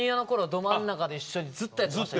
ど真ん中で一緒にずっとやってました。